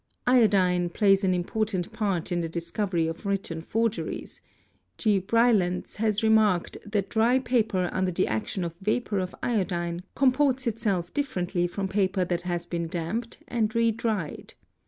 Iodine plays an important part in the discovery of written forgeries; > G. Bruylants has remarked that dry paper under the action of vapour of iodine comports itself differently from paper that has been damped and 'redried.